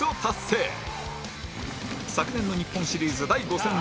昨年の日本シリーズ第５戦では